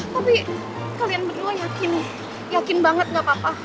tapi kalian berdua yakin nih yakin banget gak apa apa